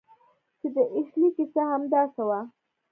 چې د اشلي کیسه هم همداسې وه